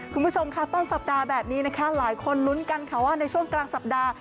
คุณผู้ชมค่ะต้นสัปดาห์แบบนี้นะคะหลายคนลุ้นกันค่ะว่าในช่วงกลางสัปดาห์